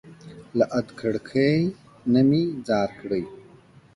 له ادکړکۍ نه مي ځار کړى